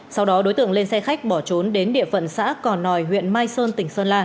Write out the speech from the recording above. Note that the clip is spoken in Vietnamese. sau đó đối tượng lên xe khách bỏ trốn đến địa phận xã còn nòi huyện mai sơn tỉnh sơn la